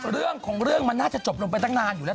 เรื่องของเรื่องมันน่าจะจบลงไปตั้งนานอยู่แล้ว